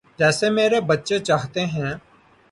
جیسے میرے بچے چاہتے ہیں۔